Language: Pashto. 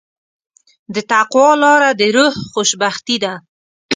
د تقوی لاره د روح خوشبختي ده.